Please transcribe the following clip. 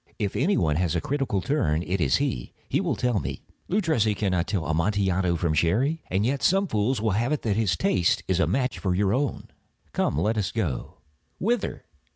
If any one has a critical turn, it is he. He will tell me—" "Luchesi cannot tell Amontillado from Sherry." "And yet some fools will have it that his taste is a match for your own." "Come, let us go." "Whither?"